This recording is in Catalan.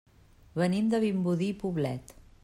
Venim de Vimbodí i Poblet.